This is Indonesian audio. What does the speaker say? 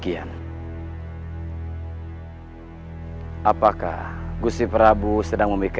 yang sewaktu aku bawa kemari